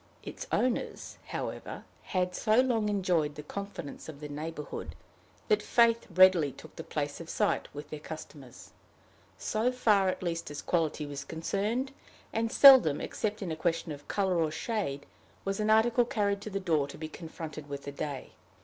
Its owners, however, had so long enjoyed the confidence of the neighborhood, that faith readily took the place of sight with their customers so far at least as quality was concerned; and seldom, except in a question of color or shade, was an article carried to the door to be confronted with the day.